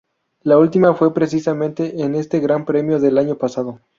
La última fue precisamente en este Gran Premio del año pasado.